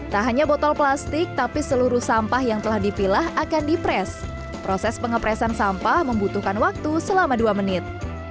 tak hanya botol plastik tapi seluruh sampah yang telah dipilah akan di pres proses pengepresan sampah membutuhkan waktu selama dua menit